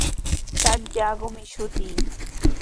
Santiagomi shutii.